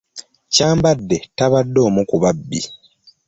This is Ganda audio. Kyambadde tabadde omu ku babbi.